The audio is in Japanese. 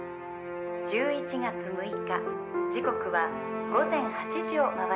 「１１月６日時刻は午前８時を回りました」